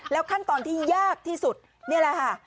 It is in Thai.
ขั้นตอนที่ยากที่สุดนี่แหละค่ะ